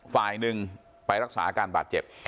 ฝ่ายหนึ่งไปรักษาอาการบาดเจ็บ